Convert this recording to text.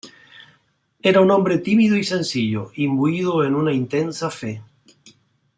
Era un hombre tímido y sencillo, imbuido en una intensa fe.